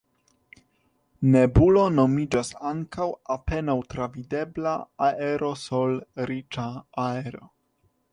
Nebulo nomiĝas ankaŭ apenaŭ travidebla aerosol-riĉa aero.